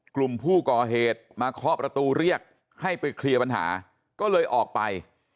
กลุ่มผู้ก่อเหตุมาเคาะประตูเรียกให้ไปเคลียร์ปัญหาก็เลยออกไป